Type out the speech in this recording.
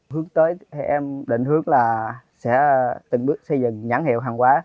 hướng tới em định hướng là sẽ từng bước xây dựng nhãn hiệu hàng quá